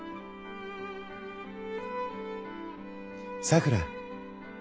さくら。